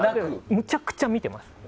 めちゃくちゃ見てます。